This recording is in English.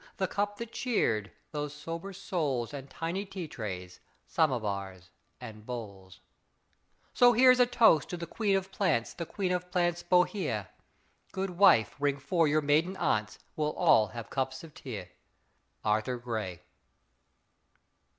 The cup that cheered, those sober souls, And tiny tea trays, samovars, and bowls. ... So here's a toast to the queen of plants, The queen of plants Bohea! Good wife, ring for your maiden aunts, We'll all have cups of tea. ARTHUR GRAY.